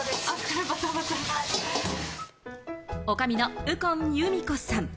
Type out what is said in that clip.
女将の右近由美子さん。